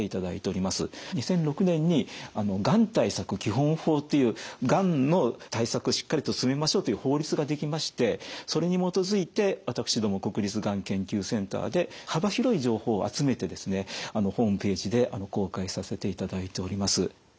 ２００６年にがん対策基本法っていうがんの対策をしっかりと進めましょうという法律が出来ましてそれに基づいて私ども国立がん研究センターで幅広い情報を集めてですねホームページで公開させていただいております。